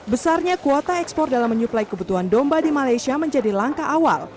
besarnya kuota ekspor dalam menyuplai kebutuhan domba di malaysia menjadi langkah awal